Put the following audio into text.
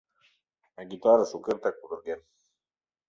А гитара шукертак пудырген.